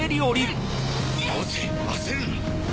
よせ焦るな。